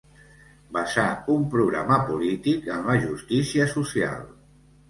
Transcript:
Basar un programa polític en la justícia social.